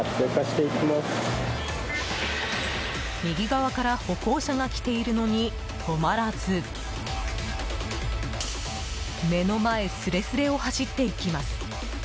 右側から歩行者が来ているのに止まらず目の前すれすれを走っていきます。